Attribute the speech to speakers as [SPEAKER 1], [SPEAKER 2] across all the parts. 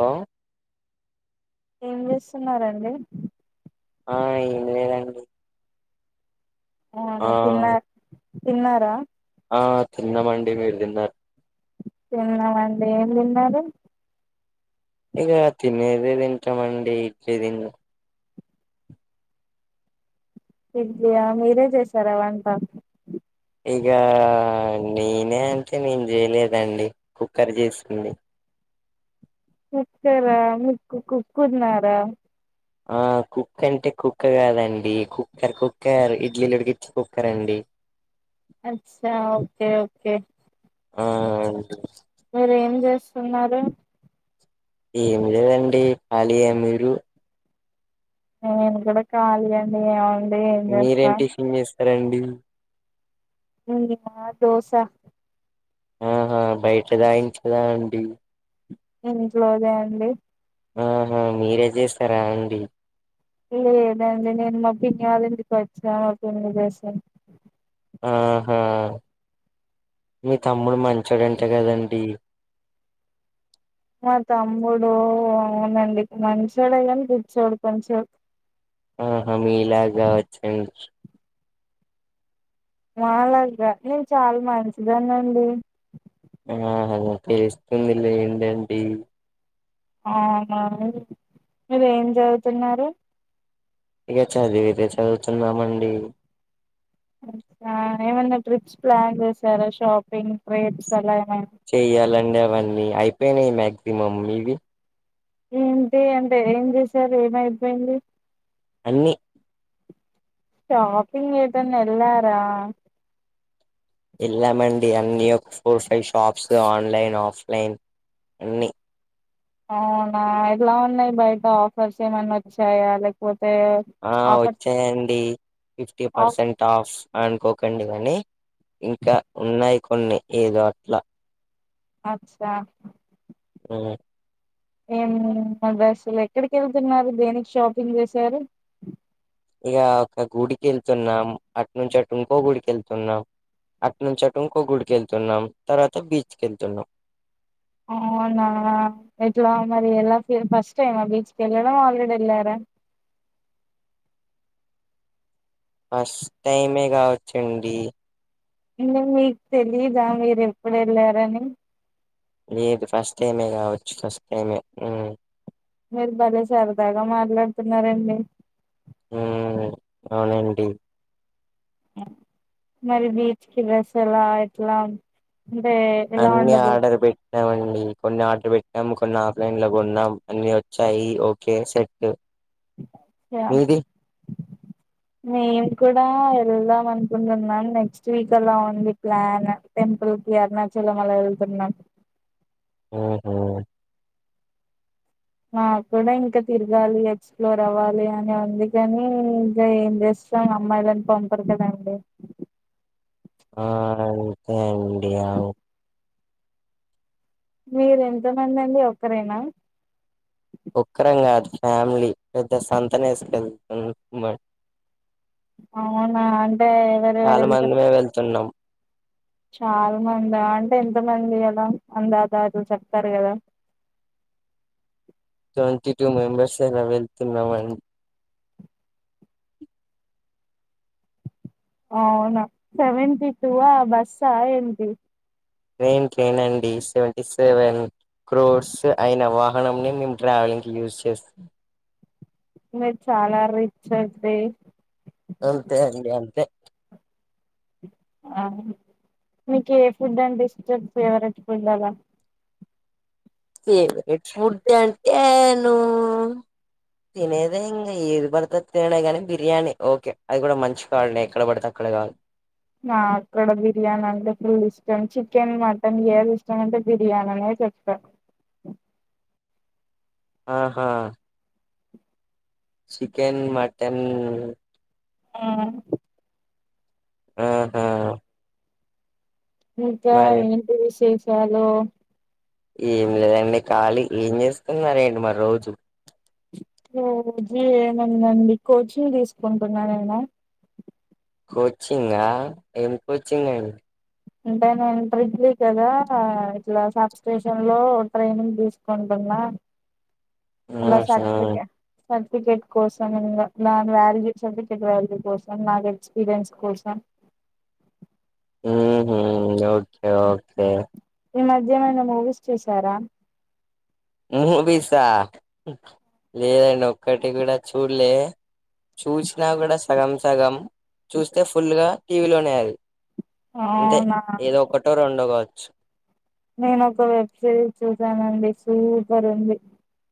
[SPEAKER 1] లో
[SPEAKER 2] ఏం చేస్తున్నారండి
[SPEAKER 1] ఆ ఏం లేదండి
[SPEAKER 2] ఆ తిన్న తిన్నారా
[SPEAKER 1] ఆ తిన్నమండి మీరు తిన్నారు
[SPEAKER 2] తిన్నామండి ఏం తిన్నారు
[SPEAKER 1] ఇక తినేదే తింటాంమండి ఇచ్చే దిం
[SPEAKER 2] ఇడ్లియా మీరే చేసారా వంట
[SPEAKER 1] ఇకా నేనే అంటే నేను చేయలేదండి కుక్కర్ చేసుంది
[SPEAKER 2] కుక్కార మీక్కు కుక్కున్నారా
[SPEAKER 1] ఆ కుక్ అంటే కుక్క కాదండి కుక్కర్ కుక్కర్ ఇడ్లీలుడికిచ్చే కుక్కర్ అండి
[SPEAKER 2] అచ్చ ఓకే ఓకే
[SPEAKER 1] ఆ అవునండి
[SPEAKER 2] మీరు ఏం చేస్తున్నారు
[SPEAKER 1] ఏమి లేదండి కాలియే మీరు
[SPEAKER 2] నేను కూడా కాలి అండి ఔ
[SPEAKER 1] మీరేం టిఫిన్ చేస్తరండి
[SPEAKER 2] ఏం తిన్నానా దోస
[SPEAKER 1] ఆహా బయట దాయించదా అండి
[SPEAKER 2] ఇంట్లోదే అండి
[SPEAKER 1] ఆహా మీరే చేస్తారా అండి
[SPEAKER 2] లేదండి నేను మా‌ పిన్ని వాళ్ళింటికి వచ్చాను అ పిన్ని చేసింది
[SPEAKER 1] ఆహా మీ తమ్ముడు మంచోడంట కదండి
[SPEAKER 2] మా తమ్ముడు అవునండి మంచోడు కాని పిచ్చోడు కొంచెం
[SPEAKER 1] ఆహా మీ మీలాగా అచ్చం
[SPEAKER 2] మాలాగా నేను చాలా మంచిదాన్నండి
[SPEAKER 1] ఆ తెస్తుంది లెండండి
[SPEAKER 2] అవునా మీరు ఏం చదువుతున్నారు
[SPEAKER 1] ఇక చదివిరే చదువుతున్నామండి
[SPEAKER 2] ఏమన్నా ట్రిప్స్ ప్లాన్ చేసారా షాపింగ్ ట్ర్రిప్స్ అలా ఏమైనా
[SPEAKER 1] చెయ్యాలండి అవన్నీ అయిపోయినాయి మాక్సిమమ్ మీవి
[SPEAKER 2] ఏంటి అంటే ఏం చేసారు ఏమైపోయింది
[SPEAKER 1] అన్నీ
[SPEAKER 2] షాపింగ్ ఎటన్న ఎల్లార
[SPEAKER 1] వెళ్ళామండి అన్ని four five shops online offline అన్ని
[SPEAKER 2] అవునా ఎలా ఉన్నాయ్ బయట ఆఫర్స్ ఏమన్నా వచ్చాయా లేక
[SPEAKER 1] ఆ వచ్చాయండి ఫిఫ్టీ
[SPEAKER 2] ఆఫ్
[SPEAKER 1] పర్సెంట్ ఆఫ్ అనుకోకండి గాని ఇంకా ఉన్నాయి కొన్ని ఏదో అట్ల
[SPEAKER 2] అచ్చా
[SPEAKER 1] హ్మ్
[SPEAKER 2] ఏం మా డ్రస్సులు ఎక్కడికి వెళ్తున్నారు దేనికి షాపింగ్ చేశారు
[SPEAKER 1] ఇగా క గుడికి వెళ్తున్నాం అటు నుంచి అటు ఇంకో గుడికేళ్తున్నాం అటు నుంచి అటు ఇంకో గుడికి యెళ్తున్నాం తర్వాత బీచ్కెళ్తున్నాం
[SPEAKER 2] అవునా ఎట్లా మరి ఎలా ఫస్ట్ టైమ్ బీచ్కి వెళ్ళడం ఆల్రెడీ యెళ్ళార
[SPEAKER 1] ఫస్ట్ టైమే కావచ్చండి
[SPEAKER 2] మీకు తెలిదా మీరు ఎప్పుడు వెళ్లారని
[SPEAKER 1] లేదు ఫస్ట్ టైమే కావచ్చు ఫస్ట్ టైమే
[SPEAKER 2] మీరు భలే సరదాగా మాట్లాడుతున్నారండి
[SPEAKER 1] హ్మ్ అవునండి
[SPEAKER 2] మరి బీచ్ కి బసలా ఎట్లా అంటే ఎలా
[SPEAKER 1] అన్నీ
[SPEAKER 2] ఉండబో
[SPEAKER 1] ఆర్డర్ పెట్టామం కొన్ని ఆర్డర్ పెట్టినం కొన్ని ఆఫ్లైన్ లో కొన్నాం అన్ని వచ్చాయి ఓకే సెట్ మీది
[SPEAKER 2] మేం కూడా వెళ్దాం అనుకుంటున్నాం నెక్స్ట్ వీక్ అలా ఉంది ప్లాన్ టెంపుల్ కి అరుణాచలం అలా యెళ్తున్నాం
[SPEAKER 1] హ్మ్ హు
[SPEAKER 2] నా కూడా ఇంకా తిరగాలి ఎక్స్పలోర్ అవ్వాలి అని ఉంది కానీ ఇంక ఏం చేస్తాం అమ్మాయిలని పంపరు కదండి
[SPEAKER 1] ఆ అంతే అండి అ
[SPEAKER 2] మీరు ఎంతమంది అండి ఒక్కరేనా
[SPEAKER 1] ఒక్కరం కాదు ఫ్యామిలీ పెద్ద సంతనేసుకళ్తున్నా మ
[SPEAKER 2] అవునా అంటే వేరే వేరే
[SPEAKER 1] చాలా
[SPEAKER 2] వి
[SPEAKER 1] మందిమే వెళ్తున్నాం
[SPEAKER 2] చాలా మందా అంటే ఎంత మంది అలా అందాదాదులు చెప్తారు కదా
[SPEAKER 1] ట్వంటీ టూ మెంబర్స్ తేనా వెళ్తున్నాము అ
[SPEAKER 2] అవునా సెవెంటి టూవా బస్సా ఏంటి
[SPEAKER 1] ట్రైన్ ట్రైన్ అండి సెవెంటీ సెవెన్ క్రోర్స్ అయిన వాహనంని మేము ట్రావెలింగ్కి యూజ్ చేస్
[SPEAKER 2] మీరు చాలా రిచ్ అండి
[SPEAKER 1] అంతే అండి అంతే
[SPEAKER 2] ఆ మీకు ఏ ఫుడ్ అంటే ఇష్టం ఫేవరెట్ ఫుడ్లాగా
[SPEAKER 1] ఫేవరెట్ ఫుడ్ అంటేనూ తినేదే ఇంగ ఏది పడితే అది తినుడే కానీ, బిర్యానీ ఓకే అది కూడ మంచి క్వాలిటీ ఎక్కడ పడితే అక్కడ కాదు.
[SPEAKER 2] నాక్కూడ బిర్యానీ అంటే ఫుల్ ఇష్టం. చికెన్, మటన్ ఏది ఇష్టం అంటే బిర్యానీ అనే చెప్త.
[SPEAKER 1] ఆ హా చికెన్, మటన్
[SPEAKER 2] ఆ
[SPEAKER 1] ఆ హా
[SPEAKER 2] ఇంకా ఏంటి విశే షాలు
[SPEAKER 1] ఏం లేదండి ఖాళి. ఏం చేస్తున్నారేంటి మరి రోజు?
[SPEAKER 2] రోజు ఏముందండీ, కోచింగ్ తీసుకుంటున్నా నేను.
[SPEAKER 1] కోచింగా, ఏం కోచింగ్ అండి
[SPEAKER 2] అంటే నేను ట్రిడ్లీ కదా, ఇట్లా సబ్ స్టేషన్ లో ట్రైనింగ్ తీసుకుంటున్నా.
[SPEAKER 1] హ్మ్ షా
[SPEAKER 2] సర్టిఫికెట్ కోసం, ఇంగ నా వాల్యూ సర్టిఫికెట్ వాల్యూ కోసం, నాకు ఎక్స్పీరియన్స్ కోసం,
[SPEAKER 1] మ్మ్ హు ఓకే ఓకే
[SPEAKER 2] ఈ మధ్యనేమైనా మూవీస్ చూశారా!
[SPEAKER 1] మూవీసా లేదండి ఒక్కటి కూడా చూళ్ళే. చూసినా కూడా సగం సగం, చూస్తే ఫుల్ గా టీవీ లోనే అది. అంతే
[SPEAKER 2] అవునా
[SPEAKER 1] ఏదో ఒక్కటో రొండో కావ చ్చు
[SPEAKER 2] నేను ఒక వెబ్ సిరీస్ చూసానండి సూపర్ ఉంది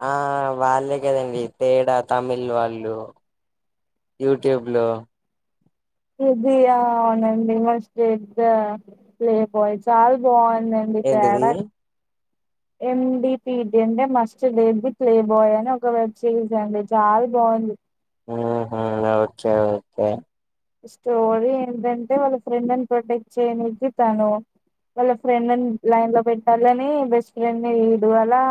[SPEAKER 1] ఆ వాళ్ళే కదండి తేడ తమిళ్ వాళ్ళు యూట్యూబ్లో
[SPEAKER 2] ఇది ఆ అవునండి must date the play boy చాల బాగు దండి తేడ
[SPEAKER 1] ఏంటిది
[SPEAKER 2] ఎం డి పి టి అంటే must date the play boy అని ఒక వెబ్ సిరీస్ అండి చాల బాగుంది.
[SPEAKER 1] ఆ హా ఓకే ఓకే
[SPEAKER 2] స్టోరీ ఏంటంటే, వాళ్ళ ఫ్రెండ్లని ప్రొటెక్ట్ చేయనికి తను వాళ్ళ ఫ్రెండ్లని లైన్ లో పెట్టాలనీ, బెస్ట్ ఫ్రెండ్ ని వీడు అలా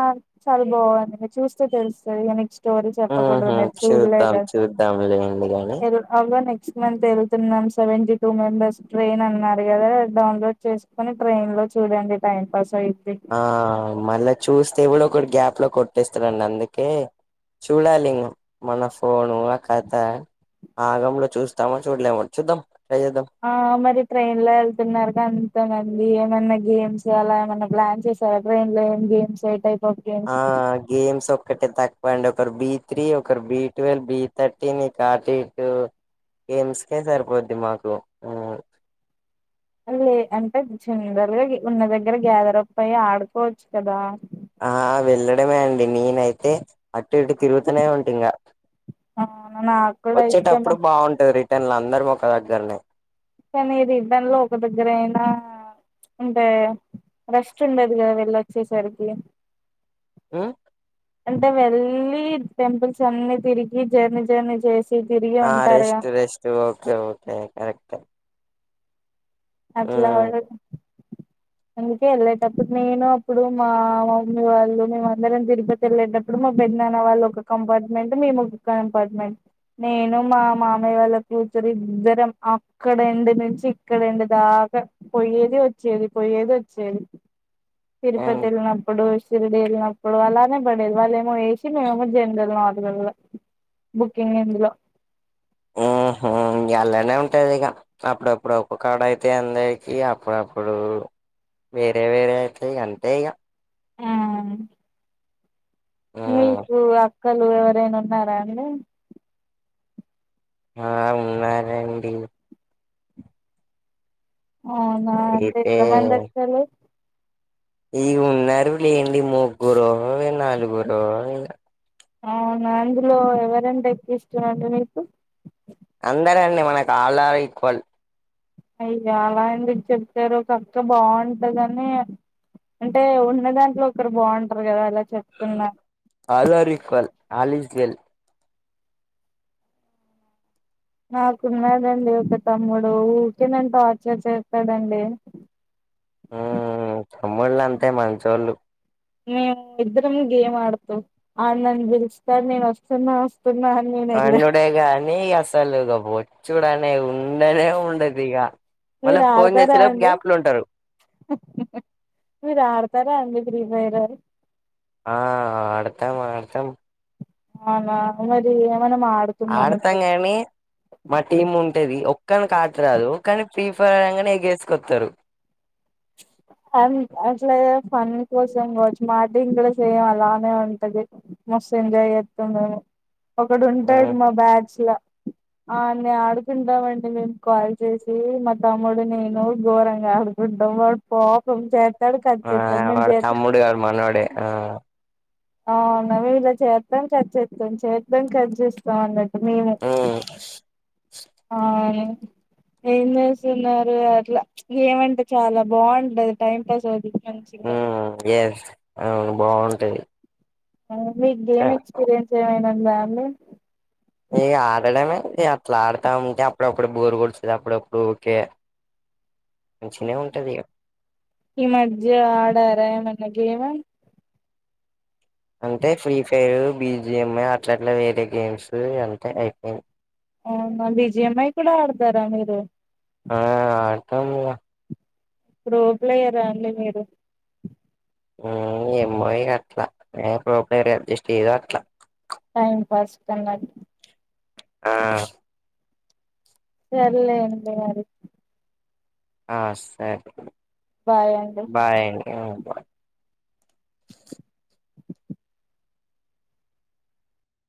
[SPEAKER 2] చాల బాగుంది. మీకు చూస్తే తెలుస్తది ఇక నెక్స్ట్ స్టోరీ చెప్పకూడదు
[SPEAKER 1] ఊహు
[SPEAKER 2] మీరు
[SPEAKER 1] చూద్దాం
[SPEAKER 2] చూడలేదు.
[SPEAKER 1] చూద్దాం లేండి గాని
[SPEAKER 2] అది అవ్వని నెక్స్ట్ మంత్ ఎల్తున్నాం సెవెంటీ టూ మెంబర్స్ ట్రైన్ అన్నారు కదా, డౌన్లోడ్ చేసుకొని ట్రైన్ లో చూడండి. టైం పాస్ అయి
[SPEAKER 1] ఆ మళ్ళ చూస్తే ఎవడో క్కడు గ్యాప్ లో కొట్టేస్తరండి అందుకే చూడాలి, ఇం మన ఫోను ఆ కథ ఆగంలో చూస్తామో, చూడలేమొ చూద్దాం. ట్రై చేద్దాం
[SPEAKER 2] ఆ మరి ట్రైన్ లో ఎళ్తున్నారుగా అంత మం ది ఏమైన్నా గేమ్స్ అలా ఏమైన్నా ప్లాన్ చేశారా ట్రైన్ లో ఏం గేమ్స్ ఏ టై
[SPEAKER 1] ఆ గేమ్స్ ఒక్కటే త క్కువ అండి ఒకరు బి త్రీ, ఒకరు బి టువెల్, బి థర్టీన్, ఇక అటు ఇటూ గేమ్స్ కే సరిపోద్ది మాకు.
[SPEAKER 2] లే అంటే జనరల్ గా ఉన్న దగ్గర గ్యాదరప్ అయ్యి ఆడుకోవచ్చు కదా.
[SPEAKER 1] ఆ వెళ్ళడమే అండి నేనైతే అ టు ఇటు తిరుగుతూనే ఉంటింగ,
[SPEAKER 2] అవును నాకు కూడా ఇష్టమే
[SPEAKER 1] వచ్చేటప్పుడు బాగుంటది. రిటర్న్ల అందరం ఒక దగ్గరనే
[SPEAKER 2] కానీ ఇది ఇబ్బందిగా ఒక దగ్గరయినా, అంటే రెస్ట్ ఉండది కదా వెళ్ళ వచ్చేసరికి.
[SPEAKER 1] ఆ
[SPEAKER 2] అంటే వెళ్లి టెంపుల్స్. అన్ని తిరిగి జర్నీ జర్నీ చేసి. తిరిగి
[SPEAKER 1] ఆ
[SPEAKER 2] ఉంటారుగా
[SPEAKER 1] rest rest. Okay okay correct.
[SPEAKER 2] అట్లా పాడు. అందుకే వెళ్ళేటప్పుడు. నేను అప్పుడు మా మమ్మీ వాళ్ళు. మేమ అందరం తిరుపతి వెళ్ళేటప్పుడు. మా పెద్దనాన్న వాళ్ళ. ఒక కంపార్ట్మెంట్ మేము ఒక కంపార్ట్మెంట్. నేను మా మామయ్య వల్ల కూతురు. ఇద్దరం అక్కడ ఎండ్ నుంచి ఇక్కడఎండ్, దాకా పొయ్యేది వచ్చేది. పొయ్యేది వచ్చేది. తిరుపతి ఎళ్ళినప్పుడు. ఇ షిరిడి వెళ్ళినప్పుడు అలానే పడేది. వాళ్ళ ఏమో ఏసి మేమేమో. జనరల్ నడలాల్ల. బుకింగ్ ఇందులో,
[SPEAKER 1] ఉహూ ఇంగ అల్లనే ఉంటది. ఇగ అప్పుడప్పుడు ఒక కాడ అయితే అందరికి అప్పుడప్పుడు. వేరే వేరే అయితే అంతే ఇగా,
[SPEAKER 2] హూ.
[SPEAKER 1] ఆ
[SPEAKER 2] మీకు ఆ అక్కలు ఎవరైనా ఉన్నారా అండి
[SPEAKER 1] ఆ ఉన్నారండి.
[SPEAKER 2] అవునా అండి.
[SPEAKER 1] అయితే
[SPEAKER 2] ఎంతమంది అక్కలు,
[SPEAKER 1] ఈగ ఉన్నారు లేండి. ముగ్గురో నలుగురో ఇగా.
[SPEAKER 2] అవునా అందులో. ఎవరంటే ఎక్కువ. ఇష్టమండి మీకు,
[SPEAKER 1] అందరండి మనకు. అల్ ఆర్ ఈక్వల్,
[SPEAKER 2] అయ్య అలా ఎందుకు చెప్తారు. ఒక అక్క బాగుంటదని. అంటే ఉన్న దాంట్లో ఒకరు. బాగుంటారు కదా అలా, చెప్తున్నా
[SPEAKER 1] are are equal. All is, well.
[SPEAKER 2] నాకు ఉన్నాడండి. ఒక తమ్ముడు ఊకె నన్ను. టార్చర్ చేస్తాడండి
[SPEAKER 1] ఊ తమ్ముళ్ళు అంతే మంచోళ్ళు,
[SPEAKER 2] మేము ఇద్దరం గేమ్ ఆడుతాం. ఆడు నన్ను పిలుస్తాడు. నేను వస్తున్నా వస్తు
[SPEAKER 1] అనుడేగాని అసలు. ఇగ బో, చూడు అనేవు ఉండనే ఉండదు. ఇగ మల్ల
[SPEAKER 2] మీరు
[SPEAKER 1] ఫోన్
[SPEAKER 2] ఆడతారా
[SPEAKER 1] చేస్తానే.
[SPEAKER 2] అండి
[SPEAKER 1] గ్యాప్ లో ఉంటారు,
[SPEAKER 2] అంతే అండి ఫ్రీ ఫైర్రు,
[SPEAKER 1] ఆ ఆడతాం ఆడతాం
[SPEAKER 2] అవునా అ మరి, మనం ఆడుతున్నాం
[SPEAKER 1] ఆడతాం
[SPEAKER 2] ఇప్పుడు
[SPEAKER 1] కానీ. మా టీం ఉంటేది. ఒక్కనికి ఆటరాదు కానీ, ఫ్రీ ఫైర్ అనంగనే. ఎగేసుకొస్తారు,
[SPEAKER 2] అది అ అట్లా ఏదో ఫన్ కోసం. కావచ్చు మా టీమ్ కూడ. సేమ్ అలానే ఉంటది. మస్తు ఎంజాయ్ చెత్తమేము, ఒకడు ఉంటాడు మా బ్యాచ్ లా, అన్ని ఆడుకుంటామండి. మేము కాల్ చేసి మా తమ్ముడు. నేను ఘోరంగా ఆడుకుం, వాడు పాపం చే.
[SPEAKER 1] ఆ వాడి తమ్ముడు కాదు. మనోడే,
[SPEAKER 2] అవున ఇలా చేస్తాం. కాట్ చేస్తాం. కాట్ చేస్తాం అందరికి, మేము అవును. ఏం చేస్తున్నారు అట్లా ఏమంటే చాలా బావుంటటది టైం పాస్ అది
[SPEAKER 1] హ ఏస్ ఆ బావుంటయి
[SPEAKER 2] అలాగే గేమ్ ఎక్స్పీరియన్స్ ఏమైనా ఉందా అండి
[SPEAKER 1] ఇ ఆడడమే అట్లా ఆడతా ఉంటే అప్పుడప్పుడు బోరు కుడుస్తుంది అప్పుడప్పుడు ఊకే
[SPEAKER 2] ఈ మధ్య ఆడార మ నాకేమో
[SPEAKER 1] అంటే free fire, B G M I అట్లట్లా వేరే గేమ్స్ అంతే ఐపోయింది.
[SPEAKER 2] అవునా బి జి ఎం ఐ కూడా ఆడతారా మీరు
[SPEAKER 1] ఆ ఆడతంగా
[SPEAKER 2] ఇప్పుడుఓ ప్లేయరా అండి మీరు
[SPEAKER 1] ఎమ్మయి అట్లా న ప్రోపర్ అడ్జస్ట్ చేయదు అట్లా
[SPEAKER 2] టైమ్ పాస్ కన్నట్టు
[SPEAKER 1] ఆ
[SPEAKER 2] సర్లే అండి మరి
[SPEAKER 1] ఆ సరే
[SPEAKER 2] బాయ్ అండి
[SPEAKER 1] బాయ్ అండి అన్